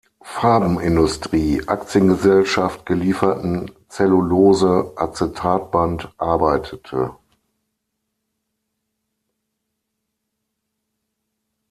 Farbenindustrie Aktiengesellschaft gelieferten Cellulose-Azetatband arbeitete.